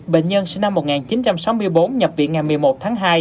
bệnh nhân sinh năm một nghìn chín trăm sáu mươi bốn nhập viện ngày một mươi một tháng hai